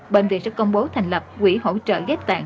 bệnh viện sẽ công bố thành lập quỹ hỗ trợ ghép tạng